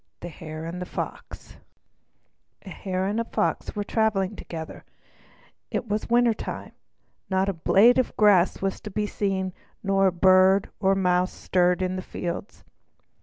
The Hare and the Fox A hare and a Fox were traveling together. It was winter time. Not a blade of grass was to be seen, not a bird or mouse stirred in the fields.